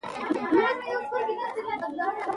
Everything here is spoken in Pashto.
لـکه تنفـسي سـتونـزې، د سـږوسـرطـان،